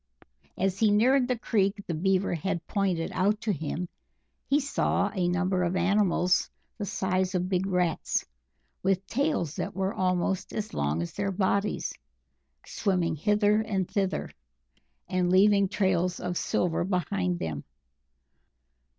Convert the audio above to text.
As he neared the creek the Beaver had pointed out to him, he saw a number of animals the size of big rats, with tails that were almost as long as their bodies, swimming hither and thither, and leaving trails of silver behind them.